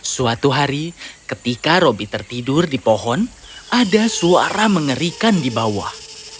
suatu hari ketika roby tertidur di pohon ada suara mengerikan di bawah